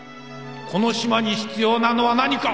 この島に必要なのは何か。